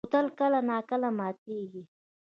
بوتل کله نا کله ماتېږي.